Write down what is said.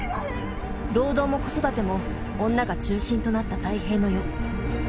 労働も子育ても女が中心となった太平の世。